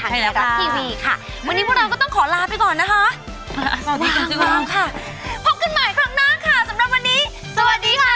พึ่งถังในรับทีวีค่ะวันนี้พวกเราก็ต้องขอลาไปก่อนนะคะพบกันใหม่ครั้งหน้าค่ะสำหรับวันนี้สวัสดีค่ะ